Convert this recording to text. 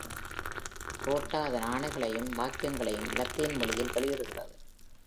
ரோட்டா அதன் ஆணைகளையும் வாக்கியங்களையும் லத்தீன் மொழியில் வெளியிடுகிறது.